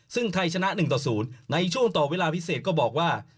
ซึ่งไทยชนะ๑ต่อ๐ในช่วงต่อเวลาพิเศษก็บอกว่า